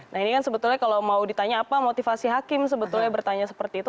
nah ini kan sebetulnya kalau mau ditanya apa motivasi hakim sebetulnya bertanya seperti itu